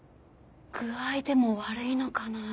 具合でも悪いのかな。